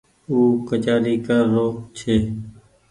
او ڪچآري ڪر رو ڇي۔